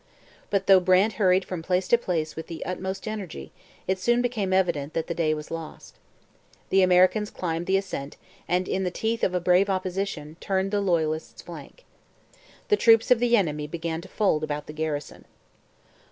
But though Brant hurried from place to place with the utmost energy, it soon became evident that the day was lost. The Americans climbed the ascent and, in the teeth of a brave opposition, turned the loyalists' flank. The troops of the enemy began to fold about the garrison.